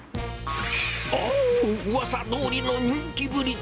おー！うわさどおりの人気ぶり。